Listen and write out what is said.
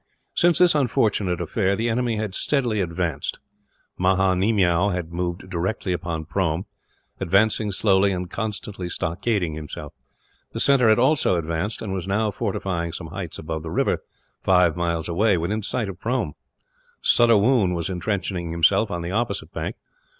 Since this unfortunate affair, the enemy had steadily advanced. Maha Nemiow had moved directly upon Prome; advancing slowly, and constantly stockading himself. The centre had also advanced; and was now fortifying some heights above the river five miles away, within sight of Prome. Sudda Woon was intrenching himself on the opposite bank.